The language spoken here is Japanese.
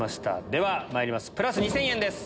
ではまいりますプラス２０００円です。